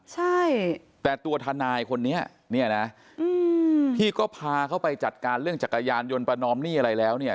ใช่แต่ตัวทนายคนนี้เนี่ยนะที่ก็พาเขาไปจัดการเรื่องจักรยานยนต์ประนอมหนี้อะไรแล้วเนี่ย